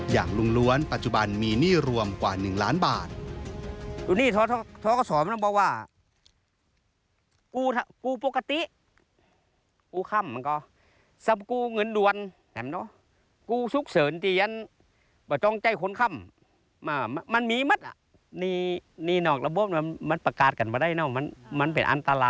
ลุงล้วนปัจจุบันมีหนี้รวมกว่า๑ล้านบาท